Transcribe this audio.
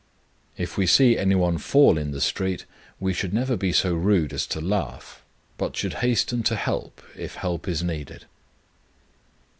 If we see any one fall in the street, we should never be so rude as to laugh, but should hasten to help if help is needed.